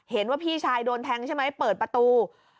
เห็นว่าพี่ชายโดนแทงใช่ไหมเปิดประตู